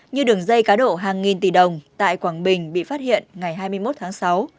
như đường dây cá độ hàng nghìn tỷ đồng tại quảng bình bị phát hiện ngày hai mươi một tháng sáu